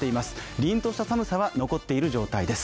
凛とした寒さは残っている状態です。